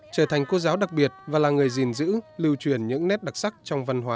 trở thành cô giáo đặc biệt và là người gìn giữ lưu truyền những nét đặc sắc trong văn hóa